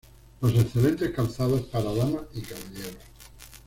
Los excelentes calzados para damas y caballeros.